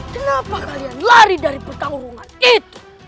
kenapa kalian lari dari pertanggungan itu